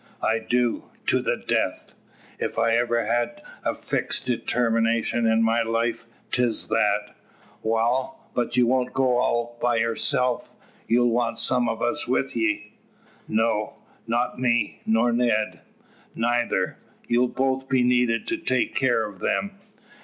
"I do to the death. If ever I had a fixed determination in my life, 'tis that." "Wal, but you won't go all by yerself! Ye'll want some o' us wi' ye?" "No." "Not me, nor Ned?" "Neither. You'll both be needed to take care of them."